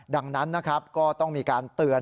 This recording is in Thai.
ดังนั้นก็ต้องมีการเตือน